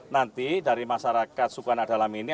nanti dari masyarakat suku anak dalam ini